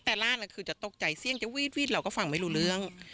แต่ร่านคือจะตกใจเสี่ยงจะวีดเราก็ฟังไม่รู้เรื่อง